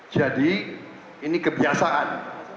jadi ini kebiasaan